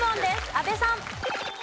阿部さん。